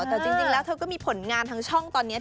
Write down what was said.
แต่จริงแล้วเธอก็มีผลงานทางช่องตอนนี้